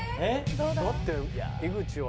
だって井口は。